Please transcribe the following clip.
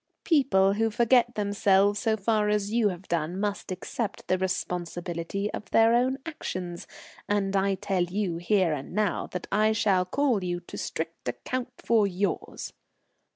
"People who forget themselves so far as you have done must accept the responsibility of their own actions; and I tell you, here and now, that I shall call you to strict account for yours."